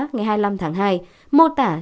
ngày hai mươi năm tháng hai mô tả